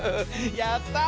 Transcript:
やった！